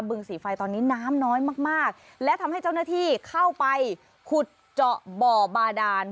ึงสีไฟตอนนี้น้ำน้อยมากมากและทำให้เจ้าหน้าที่เข้าไปขุดเจาะบ่อบาดาน